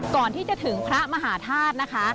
ก่อนที่จะถึงพระมหาธาตุนะคะ